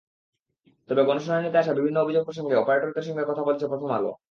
তবে গণশুনানিতে আসা বিভিন্ন অভিযোগ প্রসঙ্গে অপারেটরদের সঙ্গে কথা বলেছে প্রথম আলো।